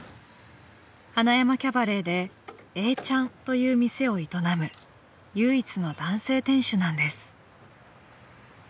［塙山キャバレーで永ちゃんという店を営む唯一の男性店主なんです］